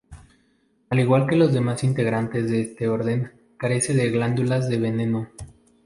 Al igual que los demás integrantes de este orden, carece de glándulas de veneno.